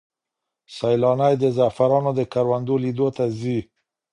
سیلانۍ د زعفرانو د کروندو لیدلو ته ځي.